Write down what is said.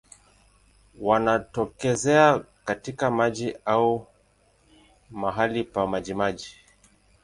Wanatokea katika maji au mahali pa majimaji.